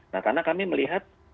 nah karena kami melihat